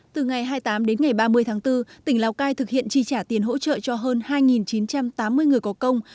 từ ngày hai mươi tám đến ngày ba mươi tháng bốn tỉnh lào cai thực hiện chi trả tiền hỗ trợ cho hơn hai chín trăm tám mươi người có công